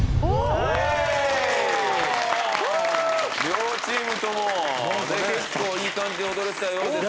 両チームとも結構いい感じで踊れてたようですが。